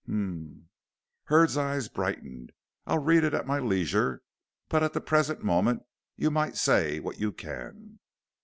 "Hum." Hurd's eyes brightened. "I'll read it at my leisure, but at the present moment you might say what you can."